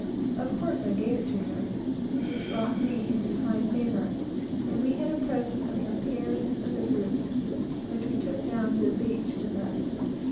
Of course, I gave it to her; which brought us into high favor; and we had a present of some pears and other fruits, which we took down to the beach with us.